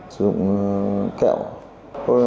sử dụng kẹo